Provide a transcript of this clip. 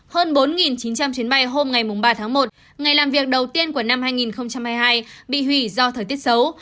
hơn bốn chín trăm linh chuyến bay hôm ngày ba tháng một ngày làm việc đầu tiên của năm hai nghìn hai mươi hai bị hủy do thời tiết xấu